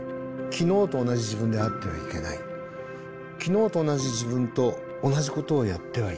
昨日と同じ自分と同じことをやってはいけないってことかな。